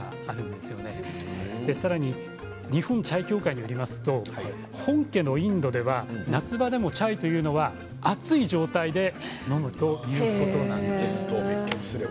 さらに日本チャイ協会によりますと本家のインドでは夏場でもチャイを熱い状態で飲むということなんです。